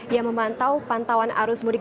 yang memantau pantauan arus mudik